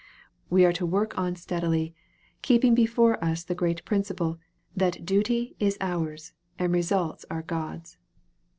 We are to work on steadily, keep ing before us the great principle, that duty is ours, and results are God's.